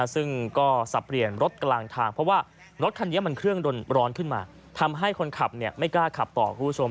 ซึ่งก็สับเปลี่ยนรถกลางทางเพราะว่ารถคันนี้มันเครื่องดนร้อนขึ้นมาทำให้คนขับไม่กล้าขับต่อคุณผู้ชม